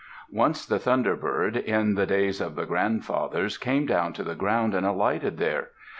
Once the Thunder Bird, in the days of the grandfathers, came down to the ground and alighted there.